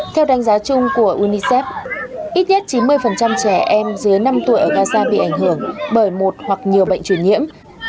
theo đánh giá chung của unicef ít nhất chín mươi trẻ em dưới năm tuổi ở gaza bị ảnh hưởng bởi một hoặc nhiều bệnh truyền nhiễm